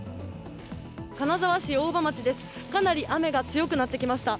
金沢市大場町ですかなり雨が強くなってきました。